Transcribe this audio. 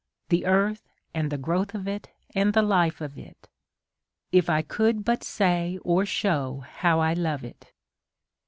. the earth and the growth of it and the life of it ! If I could but say or show how I love it